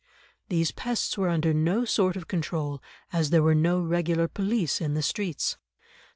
These pests were under no sort of control, as there were no regular police in the streets.